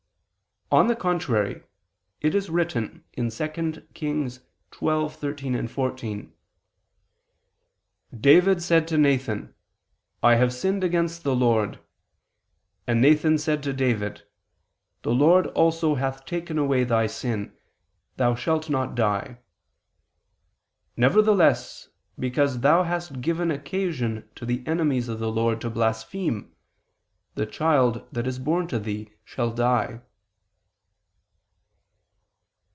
On the contrary, It is written (2 Kings xii. 13, 14): "David said to Nathan: I have sinned against the Lord. And Nathan said to David: The Lord also hath taken away thy sin; thou shalt not die. Nevertheless because thou hast given occasion to the enemies of the Lord to blaspheme ... the child that is born to thee shall die."